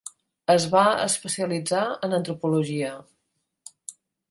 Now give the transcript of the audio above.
Es va especialitzar en antropologia.